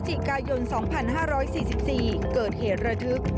สิกายน๒๕๔๔เกิดเหตุระทึก